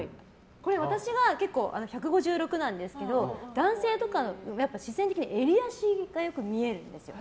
これ、私が１５６なんですけど男性とか、必然的に襟足がよく見えるんですよ。